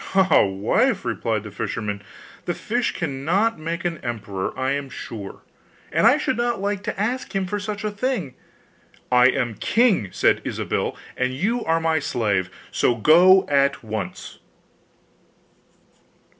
'Ah, wife!' replied the fisherman, 'the fish cannot make an emperor, I am sure, and I should not like to ask him for such a thing.' 'I am king,' said Ilsabill, 'and you are my slave; so go at once!